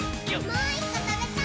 もう１こ、たべたい！